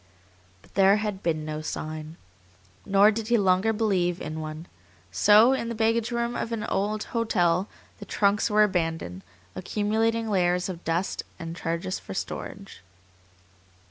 But there had been no sign. Nor did he longer believe in one. So in the baggage room of an hotel the trunks were abandoned, accumulating layers of dust and charges for storage.